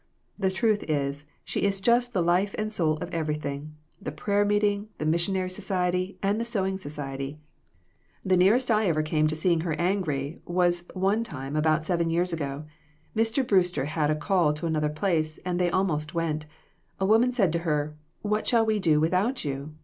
The truth is, she is just the life and soul of every thing the prayer meeting, the missionary soci ety and the sewing society. The nearest I ever PERSECUTION OF THE SAINTS. 183 came to seeing her angry was one time about seven years ago. Mr. Brewster had a call to another place, and they almost went. A woman said to her 'What shall we do without you?